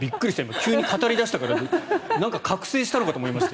急に語り出したからなんか覚醒したのかと思いましたよ。